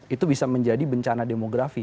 itu bisa menjadi bencana demografi